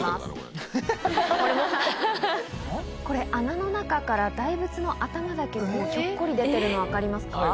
これ穴の中から大仏の頭だけひょっこり出てるの分かりますか？